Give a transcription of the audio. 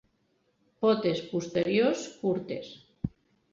Potes posteriors curtes.